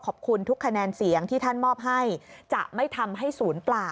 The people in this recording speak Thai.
ขอบคุณทุกคะแนนเสียงที่ท่านมอบให้จะไม่ทำให้ศูนย์เปล่า